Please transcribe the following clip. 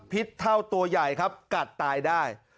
เท่าตัวใหญ่ครับกัดตายได้